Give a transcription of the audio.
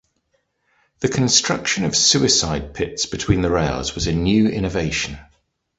The construction of "suicide pits" between the rails was a new innovation.